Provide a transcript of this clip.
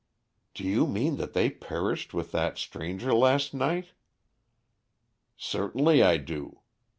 "Do you mean that they perished with that stranger last night?" "Certainly, I do.